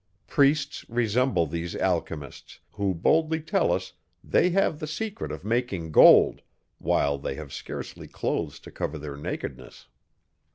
Priests resemble these alchymists, who boldly tell us, they have the secret of making gold, while they have scarcely clothes to cover their nakedness.